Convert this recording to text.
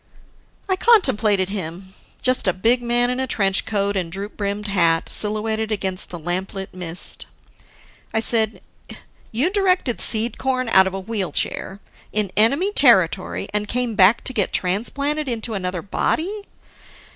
I contemplated him: just a big man in a trench coat and droop brimmed hat silhouetted against the lamp lit mist. I said, "You directed Seed corn out of a wheel chair in enemy territory, and came back to get transplanted into another body?